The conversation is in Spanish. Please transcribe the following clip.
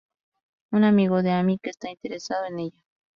Un amigo de Amy, que está interesado en ella.